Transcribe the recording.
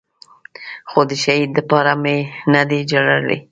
خو د شهيد دپاره مې نه دي جړلي.